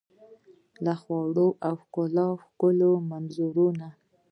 له خوړو او ښکلو ، ښکلو منظرو نه